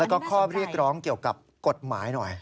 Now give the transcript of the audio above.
แล้วก็ข้อเรียกร้องเกี่ยวกับกฎหมายหน่อย